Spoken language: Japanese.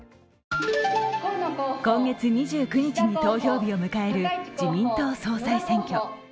今月２９日に投票日を迎える自民党総裁選挙。